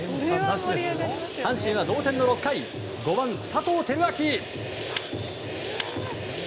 阪神は同点の６回５番、佐藤輝明。